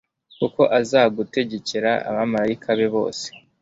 kuko azagutegekera abamarayika be bose